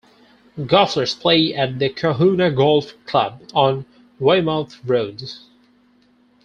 Golfers play at the Cohuna Golf Club on Weymouth Road.